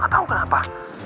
gak tau kenapa